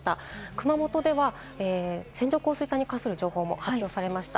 熊本では線状降水帯に関する情報も発表されました。